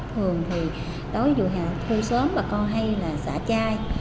thường thì đối với vụ hề thu sớm bà con hay là xả chai